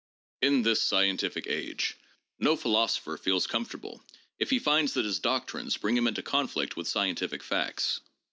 IN this scientific age no philosopher feels comfortable, if he finds that his doctrines bring him into conflict with scientific facts.